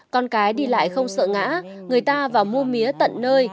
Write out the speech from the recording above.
con cái đi lại không sợ ngã người ta vào mua mía tận nơi